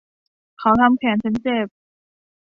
เขาทำแขนฉันเจ็บ